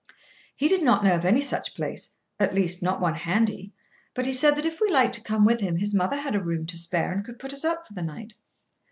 He did not know of any such place—at least, not one handy; but he said that, if we liked to come with him, his mother had a room to spare, and could put us up for the night.